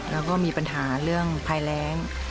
แล้วก็มีปัญหาเรื่องภัยแรง